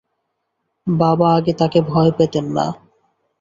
বাবা আগে তাকে ভয় পেতেন না।